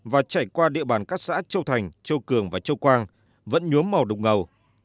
và chảy qua địa bàn các xã châu thành châu cường và châu quang vẫn nhuốm màu đục ngầu